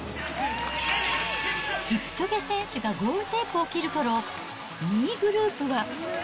キプチョゲ選手がゴールテープを切るころ、２位グループは。